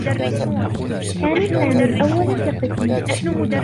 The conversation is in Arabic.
كان سامي الأوّل في قسمه.